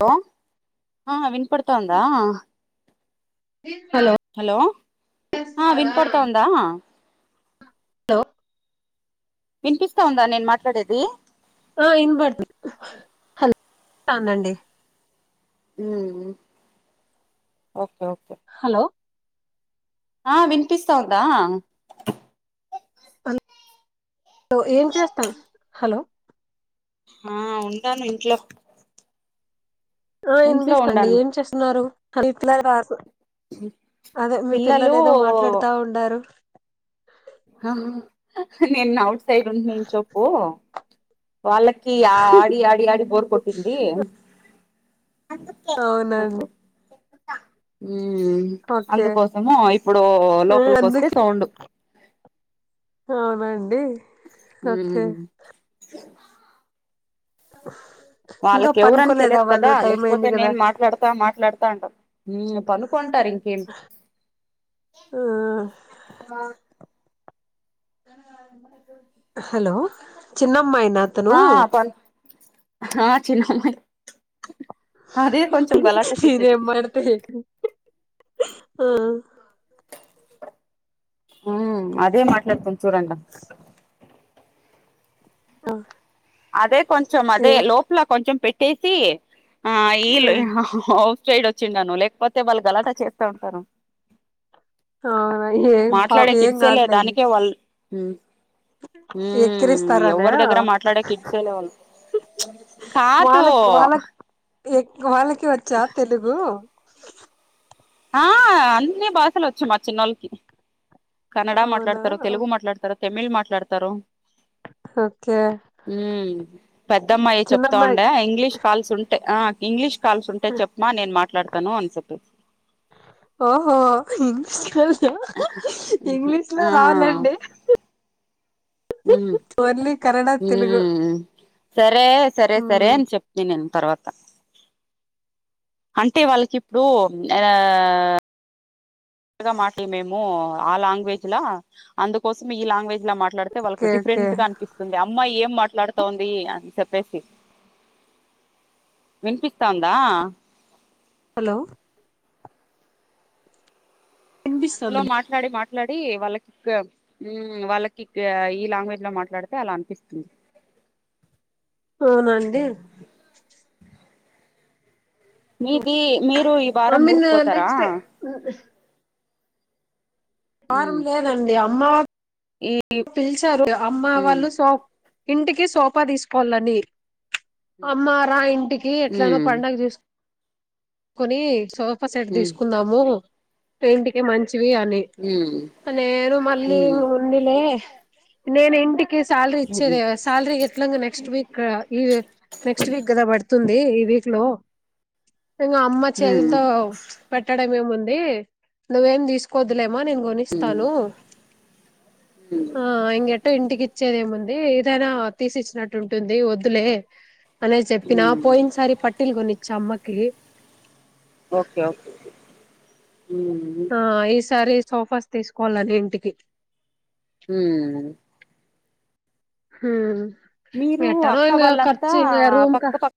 లో ఆ విన్పడ్తాందా హలో ఆ విన్పడ్తాందా లో వినిపిస్తాందా నేను మాట్లాడేది ఆ ఇన్పడ్తుంది హల్ తాందండి మ్ ఓకె ఒక్ హలో ఆ వినిపిస్తావుందా అం ఒ ఏం చేస్తా హలో ఆ ఉంటాను ఇంట్లో ఆ ఇంట్లో ఇన్పిస్తుంది ఉండాను ఏం చేస్తున్నారు [unintelligible] అదే మీ పిల్లలు ఏదో మాట్లాడుతా ఉండారు హా హా నేను ఔట్ సైడ్ నుంచొప్పు వాళ్ళకి ఆ ఆడి ఆడి ఆడి బోర్ కొట్టింది అవునండి ఉమ్ ఓకే అందుకోసము ఇప్పుడు లోపలికి వస్తే అందుకే సౌండు [inaudible] అవునండి ఓకే ఊమ్ [inaudible] ఇంకా వాళ్ళకి ఎవరని పనుకోలేదా తెలియదు వాళ్ళు కదా టైం అయింది లేకపోతే కదా నేను మాట్లాడతా మాట్లాడతా అంటా పనుకోం టారు ఇంకేం ఆ ఆ హలో చిన్నమ్మాయి నాతను ఆ పను ఆ చిన్నమ్మాయి అదే కొంచెం గలాట చేసేది నెంబర్ అడిగితే ఆ హు అదే మాట్లాడుతాం చూడండ ఆ అదే కొంచెం అదే లోపల కొంచెం పెట్టేసి ఆ ఈల్ ఆ ఒ ట్రైడ్ వచ్చిండను లేకపోతే వాళ్ళకి గలాటా చేస్తా ఉంటారు అవునా ఏం పా మాట్లాడే ఏం కిడిచేలే కాదులేండి దానికే వాళ్ళు ఊ ఎక్కిరిస్తారనా ఎవరి దగ్గర మాట్లాడే కిడ్సేలే వాళ్ళు కాదు ఎ వాళ్ళకి వచ్చా తెలుగు ఆ అన్ని భాషలు వచ్చు మా చిన్నోళ్ళకి కన్నడ అవునా మాట్లాడతారు తెలుగు మాట్లాడతారు తమిళ్ మాట్లాడతారు ఓకే ఉ పెద్దమ్మాయి చెప్తా చిన్నమ్మాయి ఉండ ఇంగ్లీష్ కాల్స్ ఉం ఆ ఇంగ్లీష్ కాల్స్ ఉంటే చెప్పమా నేను మాట్లాడతాను అని సెప్పే ఓహో ఇంగ్లీష్ లో ఆ రాలండి ఉమ్ తెలుగు సరే సరే సరే మ్మ్. అని చెప్పిన తర్వాత అంటే వాళ్ళకి ఇప్పుడు ఆ మాట మేము ఆ లాంగ్వేజ్ లా అందుకోసం ఈ లాంగ్వేజ్ ఇలా మాట్లాడితే ఓకే వాళ్ళకి ఓకే డిఫరెంట్ గా అనిపిస్తుంది అమ్మాయి ఏం మాట్లాడుతోంది అని చెప్పేసి వినిపిస్తాందా హలో అందులో వినిపిస్తుంది మాట్లాడి మాట్ మాట్లాడి వాళ్ళక్ ఉమ్ వాళ్ళకి ఈ లాంగ్వేజ్ లో మాట్లాడితే అలా అనిపిస్తుంది అవునండి మీది మీరు ఈ ఐ వారం మీన్ ఊర్కుపోతారా నెక్స్ట్ వారం మ్ లేదండి అమ్మ ఈ పిలిచారు అమ్మ మ్ వాళ్ళు సోప్ ఇంటికి సోఫా తీసుకోవాలని అమ్మారా ఇంటికి ఎట్లానో మ్ పండగ చసు కొని సోఫా సెట్ మ్ తీసుకుందాము ఇంటికే మంచి చిది అని మ్ మ్ నేను మళ్ళీ ఉన్నిలే నేను ఇంటి కి సాలరీ మ్ ఇచ్చేది సాలరీ ఎట్లా నెక్స్ట్ వీక్ నెక్స్ట్ వీక్ కదా పడుతుంది వీక్లో ఇంకా అమ్మ మ్ చేతులతో పెట్టడం ఏముంది నువ్వేమి తీసుకోవద్దులే మ్మ నేను గొని అస్తాను హ ఇంగ్ ట్ో ఇంటికి ఇచ్చేదిేముంది ఏదైనా తీసి ఇచ్చినట్టు ఉంటుంది వద్దులే అనేది చెప్పినా మ్ పోయినసారి పట్టిల్ కొనిచ్చ అమ్మకి ఓకే ఓకే మ్ హ ఈసారి సోఫాస్ తీసుకోవాలని ఇంటికి హమ్ హమ్ మీరు అక్క వాళ్ళంతా రూమ్ క పక్క పక్క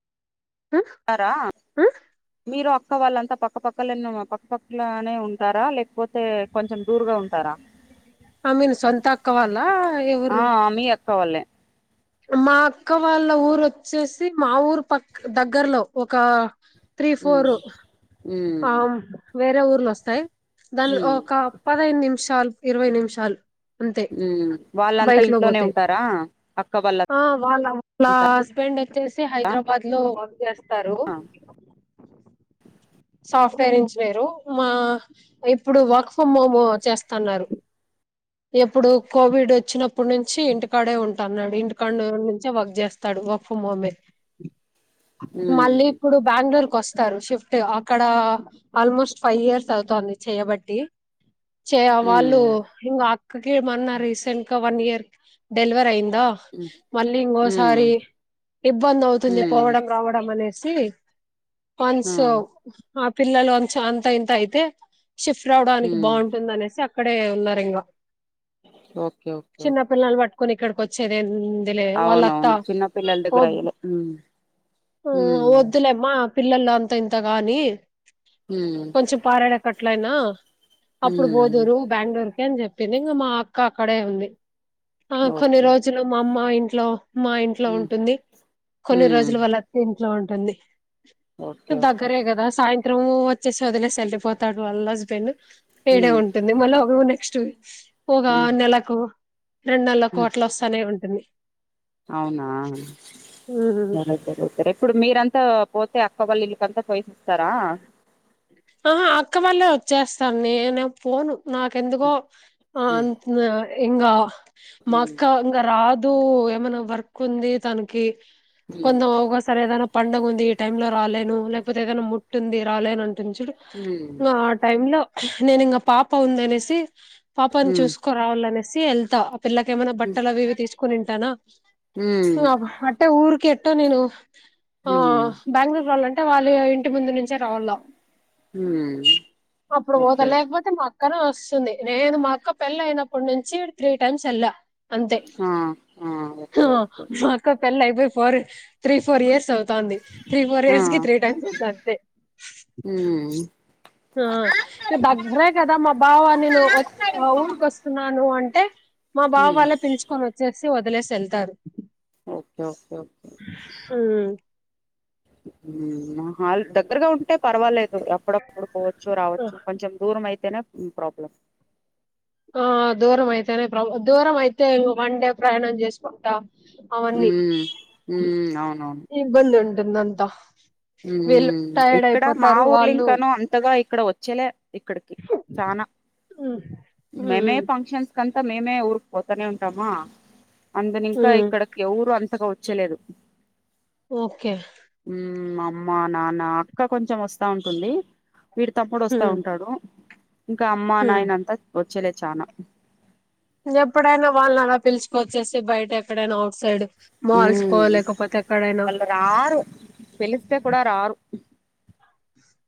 ఆ ారా ఆ మీరు పక్క వాళ్ళంతా పక్కపక్కల పక్కపక్కలనే ఉంటారా లేకపోతే కొంచెం దూరుగా ఉంటారా ఐ మీన్ సొంత అక్క వాళ్ళ ఆ ఎవరు మీ అక్క వాళ్ళే మా అక్క వాళ్ళ ఊరుొచ్చేసి మా ఊరు పక్క దగ్గరలో ఒక త్రీ ఫోర్ మ్ ఉమ్ పామ్ వేరే ఊర్లు వస్తాయి దాని ఉమ్ ఒక పదహైను నిమిషాలు ఇరవై నిమిషాలు అంతే ఉమ్ వాళ్ళంతా బైక్ లో ఇంట్లోనే పోతే ఉంటారా అక్క వాళ్ళంతా అ వాళ్ల [unintelligible] హస్బెండ్ వచ్చేసి హైదరాబాద్ లో వర్క్ చేస్తారు సాఫ్ట్వేర్ ఇంజనీరు మా ఇప్పుడు వర్క్ ఫ్రమ్ హోమ్ చేస్తన్నారు ఎప్పుడు కోవిడ్ వచ్చినప్పుడు నుంచి ఇంటికాడే ఉంటన్నాడు ఇంటికాడు నుంచే వర్క్ చేస్తాడు గఫ మమే ఉమ్ మళ్ళీ ఇప్పుడు బెంగళూరు క వస్తారు షిఫ్ట్ అక్కడ ఆల్మోస్ట్ ఫైవ్ ఇయర్స్ అవుతుంది చేయబట్టి చే ఉమ్ వాళ్ళు ఇంగ అక్కకి మన్నా రీసెంట్ గా వన్ ఇయర్ డెలివర్ అయిందా మళ్ళీ ఉమ్ ఇంగొసారి ఇబ్బంది అవుతుంది ఉమ్ పోవడం రావడం అనేది సి ఆ [unintelligible] ఆ పిల్లలు వన్స అంత ఇంత అయితే ిఫ్ రావడానికి ఉమ్ బాగుంటుంది అనేసి అక్కడే ఉన్నారు ఇంగ ఓకే ఓకే ఓకే కొని ఇక్కడికి వచ్చేదే ఎం లే అవునవును వాళ్ళత్తాద్ చిన్న పిల్లల దగ్గర అయ్యలే ఉమ్ ఉమ్ వద్దులేమ్మా పిల్లలు అంతా ఇంత గాని ఉమ్ కొంచెం పారేడేకట్లయినా అప్పుడు ఉమ్ బోదూరు బెంగళూరు కి అని చెప్పింది ఇంగ మా అక్క అక్కడే ఉంది ఆ కొన్ని ఓకే రోజులు మా అమ్మ ఇంట్లో మా ఇంట్లో ఉమ్ ఉంటుంది కొన్ని ఉమ్ రోజుల వాల్లతి ఇంట్లో ఉంటుంది ఓకే ఓకే దగ్గరే కదా సాయ త్రం వచ్చసి వదిలేసి వెళ్ళపోతాడు వల్ల హస్బెండ్ పేడే ఉమ్ ఉంటుంది మళ్ళీ ఒక నెక్స్ట్ వక్ పోగా ఉమ్ నెలకు రెండు నెల ఉమ్ కోట్లు వస్తానే ఉంటుంది అవునా ఉమ్ సరే సర సరే ఇప్పుడు మీరంతా పోతే ఆక్క కల్లిలుుకాంత ంది ఆ అక్క వాళ్లే వచ్చేస్తాను నేను పోను నాకెందుకో ఆ ఉమ్ ఇంగా మా ఉమ్ అక్క ఇంగా రాదు. దూ ఏమైన్నా వర్క్ ఉంది తనికి కొందం ఒగోసారి ఏదనా పండగ ఉంది ఈ టైమ్ లో రాలేను లేకపోతే ఏదైనా ముట్టుంది రాలేను. టించుడు ఉమ్ ఆ టైమ్ లో నేను ఇంగ పాప ఉంది అనేసి పాపని ఉమ్ చూసుకోరావాలనేసి ఏళ్తా పిల్లకి ఏమైనా ఉమ్ బట్టలు అవి ఇవి తీసుకునింటానా ఉమ్ అ అంటే ఊరికి ఎట్టో నేను ఆ హ్మ్ బెంగళూరు రాలాంటే ఆ వాళ్ళు ఇంటి ముందు నుంచే రావాల హ్మ్ అప్పుడు పోతా ఓకే ఓకే లేకపోతే మా క్కరో వస్తుంది నేను మా అక్క పెళ్ళి అయినప్పటి నుంచి త్రీ టైమ్స్ ఏళ్ళ అంతే ఆ ఆ హ్ ఓకే ఓకే అక్కకి పెళ్ళి అయిపోయి ఫోర్ త్రీ ఫోర్ ఇయర్స్ అవుతాంది. త్రీ ఫోర్ ఇయర్స్ కి త్రీ టైమ్స్ ఇస్తాంది. మ్ ఆ ఇక దగ్గరే కదా మా బావ నేను హో అ ఊరికి వస్తున్నాను అంటే మా బావ హ్మ్ వాళ్ళ పిలుచుకొని వచ్చేసి వదిలేసి ఏళ్తారు. ఓకే ఓకే హ్మ్. సినిమా హాల్ దగ్గరగా ఉంటే పర్వాలే ఎప్పుడప్పుడు పోవచ్చు, రావచ్చు కొంచెం దూరం అయితేనే ప్రాబ్లం ఆ దూరం అయితేనే ప్రబ్ దూరం అయితే వన్ డే ప్రయాణం చేసుకుంటా అవన్నీ హ్మ్ హ్మ్ ఇ బంది ఉంటుందంతా ఉ ఇక్కడ మా వాళ్ళు ఊర్లింకాను అంతగా ఇక్కడ వచ్చేలే ఇక్కడికి ఫానా ఉమ్, మేమే ఉమ్, ఫంక్షన్స్ కంతా మేమే ఊరికు పోతానే ఉంటామా అందుని ఇంకా ఉమ్, ఇక్కడకి ఎవరు అంతగా వచ్చలేదు ఓకే మా అమ్మ నాన్న అక్క కొంచం వస్తా ఉంటుంది. వీడు తప్పుడు వస్తా ఉమ్, ఉంటాడు. ఇంకా అమ్మా ఉమ్. నాయన అంతా వచ్చేలే చానా ఎప్పుడైనా వాళ్ళని అలా పిలుచుక వచ్చేసి బయట ఎక్కడైనా అఔట్ సైడ్ మాల్స్ కో హ్మ్ లేకపోతే ఎక్కడైనా వాళ్ళు రారు పిలిస్తే కూడా రారు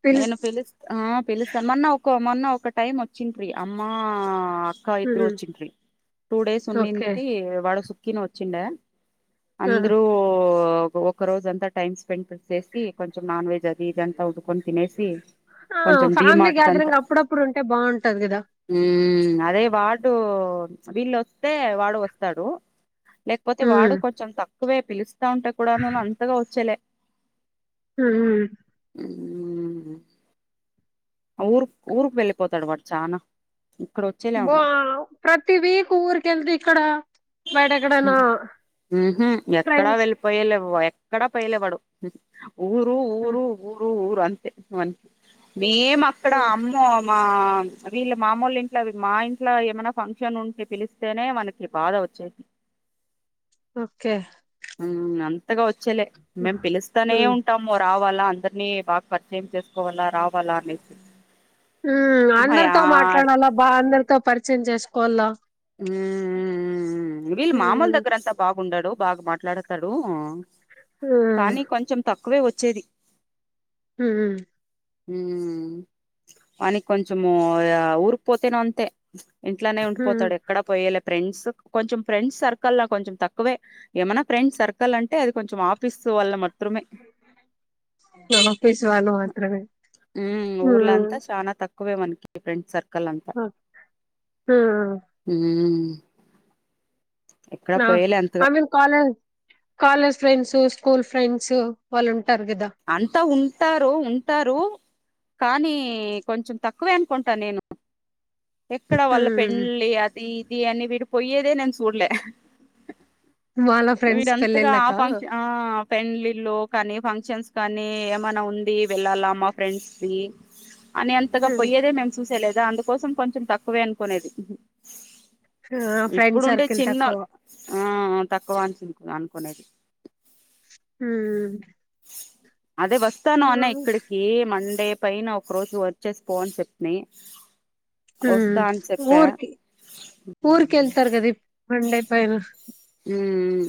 పిలు నేను పిలిస్త ఆ పిలుస్తాను మొన్న ఒక మొన్న ఒక టైం వచ్చింది ఫీ అమ్మా క్కా ఇద్దరు ఉమ్, వచ్చిండ్రి టూ డేస్ ఓకే ఉన్నింటి వాడు సుకిన వచ్చిండే ఆహా. అందరు ఒక రోజ అంతా టైమ్ స్పెండ్ పెసి కొంచెం నాన్ వెజ్ జరిద అంతా ఉడ్కొ తినేసి ఆ కొంచెం ఫ్యామిలీ డీమార్ట్ కంతా గ్యాదరింగ్ అప్పుడప్పుడు ఉంటే బావుంటది కదా ఉమ్ అదే వాటు వీళ్ళొస్తే వాడు వస్తాడు లేకపోతే ఉమ్, వాడు కొంచెం తక్కువే పిలుస్త దా ఉంటా కూడాను అంతగా వచ్చేలే ఉహ ఉమ్ ఊరు ఊరుకి వెళ్ళిపోతాడు వాడు చానా ఇక్కడ వచ్చేలే ఉన్నాడు వావ్ ప్రతి వీక్ ఊరిక వెళ్దు ఇక్కడ బయట ఎక్కడైనా ఉహు ఎక్కడా ఫ్రెండ్స్ వెళ్ళిపోయలా అట్లే పోవాయే ఎక్కడ పైలేవాడు ఊరు ఊరు ఊరు ఊ అంతే మేం అక్కడ అమ్మో మా వీళ్ళ మామూలు ఇంట్ల మా ఇంట్లో ఏమైనా ఫంక్షన్ ఉంటే పిలిస్తేనే మనకి బాధ అవుతు చెవి ఓకే అంతగా వచ్చేలే మేము ఉమ్, పిలుస్తానే ఉమ్. ఉంటాము రావాల అందరినీ బాగా పరిచయం చేసుకోవాలా రావాలా అనేసి ఆహా అందరితో యాడ్ మాట్లాడాలా బా అందరితో పరిచయం చేసుకోవాలా ఉ వీళ్ళ మామూలు ఉమ్ దగ్గర అంతా బాగు ఉండాడు బాగా మాట్లాడతాడు ఉమ్ కానీ కొంచెం తక్కువే వచ్చ చేది ఉమ్మ్ ఉ వానీ కొంచము ఊరుకు పోతేనే అంతే ఇంట్నే ఉండిపోతాడు ఉమ్ ఎక్కడ పోయ ఫ్రెండ్స్ కొంచెం ఫ్రెండ్స్ సర్కల్ కొంచెం తక్కువే ఏమైన్నా ఫ్రెండ్స్ సర్కల్ అంటే అది కొంచెం ఆఫీస్ [unintelligible] చప్పస్ వాలు మాత్ర ఉ ఊర్ల అంతా చానా తక్వే మనకి ఫ్రెండ్స్ సర్ పక్కలంత ఉమ్ ఉమ్మ్ ఆమె college college friends school friends వాళ్ళు ఉంట్ అంతా ఉంటారు ఉంటారు కానీ కొంచెం తక్కువే అనుకుంటా నేను ఎక్కడ వాళ్ళ ఉమ్ పెళ్ళి అది ఇది అని వీరు పోయేదే నేను చూడలే వాళ్ళ ఫ్రెండ్స్ వీరంతగా ఆ పెళ్ళిళ్ళక ఫంక్షన్ ఆ పెళ్లిళ్లు కానీ ఫంక్షన్స్ కానీ ఏమైనా ఉంది వెళ్ళాలా మా ఫ్రెండ్స్ ది అని అంతగా ఉమ్ పొయ్యేదే మేము చూసేలేదా అందుకోసం కొంచెం తక్కువే అనుకునేది ఆ ఫ్రెండ్ ఇప్పుడుంటే సర్కిల్ చిన్న తక్కువ ఆ ఆ తక్కువ అనుకునేది ఉమ్మ్ అదే వస్తాను అన్న ఇక్కడికి మండే పైన ఒక రోజు వర్క్ చేసి పోవని చెప్పినయి మ్ ఊర్కి ఊరిక వెళ్తారు కదా మండే పైన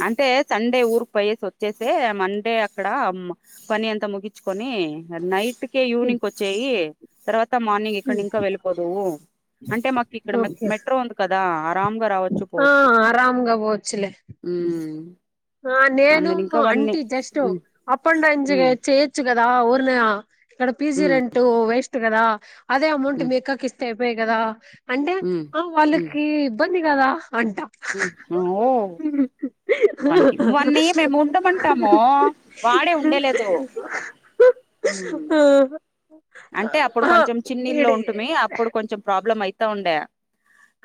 అంటే సండే ఊరుకి పోయేసి వచ్చేసి మండే అక్కడ పని అంతా ముగించుకొని నైట్ కి హ్మ్. ఈవినింగ్ వచ్చేయి తర్వాత మార్నింగ్ ఇక్కడ హ్మ్. ఇంకా వెళ్ళిపోదువు అంటే మాకు ఇక్కడ ఓకే మెట్రో ఉంది కదా ఆరంగా రావచ్చు ఆ పోవచ్చు ఆరాంగా పోవచ్చులే మ్ ఆ నేను aunty just um up and డౌన్జ ఉమ్ చేచ్చుగా ఊరి ఇక్కడ పీజీ ఉమ్ రెంట్ వేస్ట్ కదా అదే అమౌంట్ ఉమ్ మీకి అక్కకి ఇస్తే కదా అంటే ఆ వాళ్ళకి ఇబ్బంది కదా అంట మ్ ఆమ్మో మనకి వాడిని మేము ఉండమంటాము వాడే ఉండేలేదు ఉమ్ ఆ అంటే అప్పుడు కొంచెం చిన్నల్లు ఇడి ఉంటుమి అప్పుడు కొంచెం ప్రాబ్లం అయితా ఉండే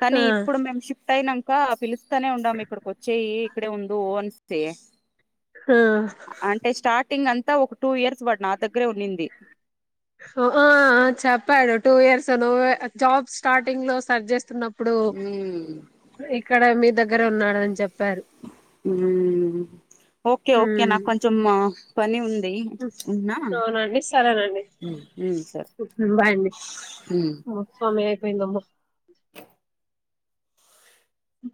కానీ ఆ ఇప్పుడు మేము షిఫ్ట్ అయినాక పిలుస్తానే ఉందాము ఇక్కడకి వచ్చేయి ఇక్కడ ఉ అన్స్తే ఆ అంటే స్టార్టింగ్ అంత అంతా ఒక టూ ఇయర్స్ వాడు నా దగ్గరే ఉన్నింది ఆ చెప్పాడు టూ ఇయర్స్ నువ్ జాబ్ స్టార్టింగ్ లో సర్చ్ చేస్తున్నప్పు ఇప్పుడు ఉమ్ ఇక్కడ మీ దగ్గర ఉన్నాడు అని చెప్ప ఉమ్ ఓకే ఓకే ఉమ్. నాకు కొంచెం పని ఉంది ఉమ్ అవునండి సరేనండి సర బాయ్ అండి ఉమ్ [unintelligible]